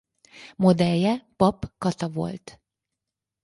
Modellje Papp Kata volt.